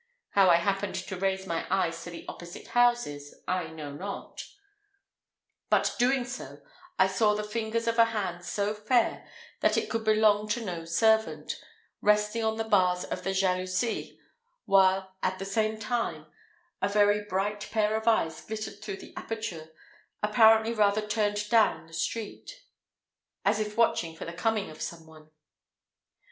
How I happened to raise my eyes to the opposite houses, I know not; but doing so, I saw the fingers of a hand so fair, that it could belong to no servant, resting on the bars of the jalousie, while, at the same time, a very bright pair of eyes glittered through the aperture, apparently rather turned down the street, as if watching for the coming of some one.